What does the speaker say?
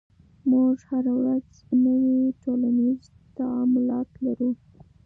موږ هره ورځ نوي ټولنیز تعاملات لرو.